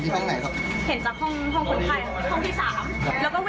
จะดับฝันไม่ได้เพราะว่าคนไข้เห็นจากห้องคนไข้